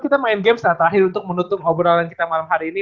kita main games saat akhir untuk menutup obrolan kita malam hari ini